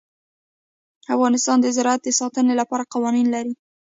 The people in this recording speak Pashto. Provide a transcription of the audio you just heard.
افغانستان د زراعت د ساتنې لپاره قوانین لري.